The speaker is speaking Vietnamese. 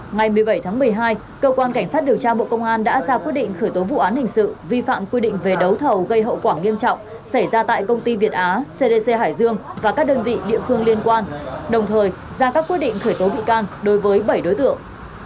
ngày một mươi bảy tháng một mươi hai cơ quan cảnh sát điều tra bộ công an đã ra quyết định khởi tố vụ án hình sự vi phạm quy định về đấu thầu gây hậu quả nghiêm trọng xảy ra tại công ty việt á cdc hải dương và các đơn vị địa phương liên quan đồng thời ra các quyết định khởi tố bị can đối với bảy đối tượng